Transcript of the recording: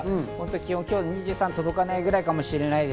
今日は２３度に届かないぐらいかもしれません。